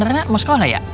nondrena mau sekolah ya